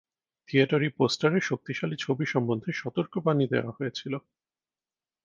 থিয়েটারি পোস্টারে শক্তিশালী ছবি সম্বন্ধে সতর্কবাণী দেওয়া হয়েছিল।